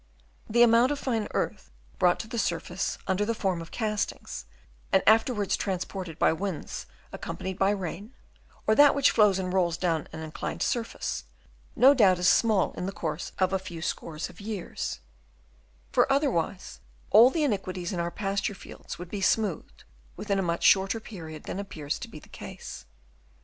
The amount of fine earth brought to the surface under the form of castings, and after wards transported by the winds accompanied by rain, or that which flows and rolls down an inclined surface, no doubt is small in the course of a few scores of years ; for otherwise all the inequalities in our pasture fields would be smoothed within a much shorter period than appears to be the case.